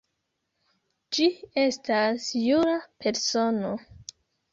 Ĝi estas jura persono.